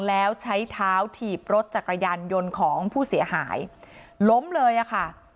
แล้วใช้เท้าถีบรถจักรยานยนต์ของผู้เสียหายล้มเลยอะค่ะ